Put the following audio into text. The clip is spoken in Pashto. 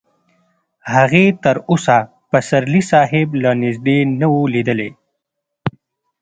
هغې تر اوسه پسرلي صاحب له نږدې نه و لیدلی